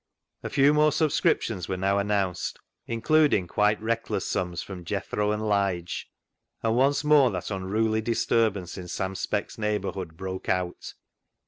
A few more subscriptions were now an nounced, including quite reckless sums from Jethro and Lige, and once more that unruly disturbance in Sam Speck's neighbourhood broke out.